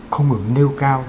không ngừng nêu cao